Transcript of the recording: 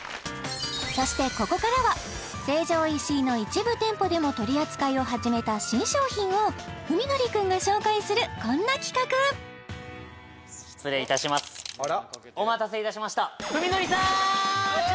そしてここからは成城石井の一部店舗でも取り扱いを始めた新商品を史記君が紹介するこんな企画失礼いたしますお待たせいたしましたフミノリサーチ！